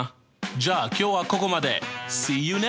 じゃあ今日はここまで！